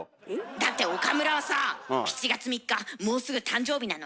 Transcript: だって岡村はさあ７月３日もうすぐ誕生日なのに。